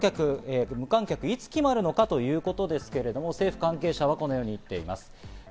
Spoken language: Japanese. また有観客、無観客、いつ決まるのかということですけど、政府関係者はこのように言っています。